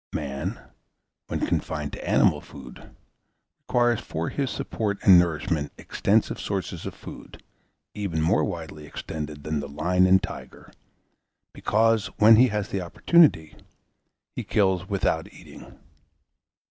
Man, when confined to animal food, requires for his support and nourishment extensive sources of food, even more widely extended than the lion and tiger, because, when he has the opportunity, he kills without eating.